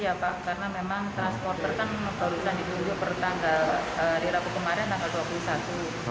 karena memang transporter kan harusnya ditunggu bertanggal di rabu kemarin tanggal dua puluh satu